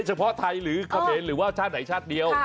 น้องไนทรัพย์ไทยหรือขเมรหรือว่าชาติไหนชาติเดียว